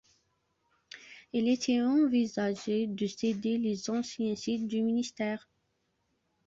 Il était envisagé de céder les anciens sites du ministère.